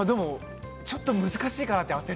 ちょっと難しいかなと思って。